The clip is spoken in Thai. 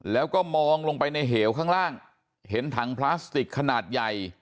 แล้วก็มองลงไปในเหวข้างล่างเห็นถังพลาสติกขนาดใหญ่